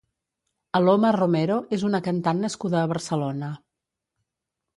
Aloma Romero és una cantant nascuda a Barcelona.